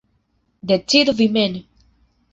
Decidu vi mem.